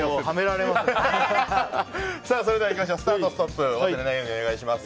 それではスタート、ストップ忘れないようにお願いします。